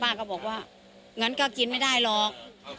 ก็บอกว่างั้นก็กินไม่ได้หรอก